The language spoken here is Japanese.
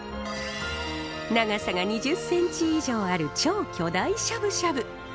長さが２０センチ以上ある超巨大しゃぶしゃぶ。